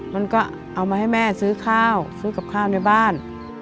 มันก็เอามาให้แม่ซื้อข้าวซื้อกับข้าวในบ้าน